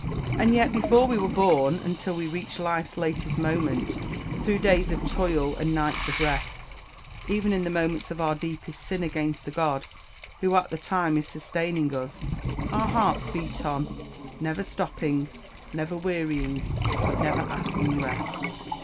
And yet, before we were born, until we reach life's latest moment through days of toil, and nights of rest even in the moments of our deepest sin against the God who at the time is sustaining us, our hearts beat on, never stopping, never wearying, never asking rest.